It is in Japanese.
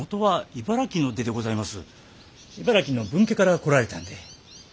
茨城の分家から来られたんで。